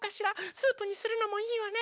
スープにするのもいいわね！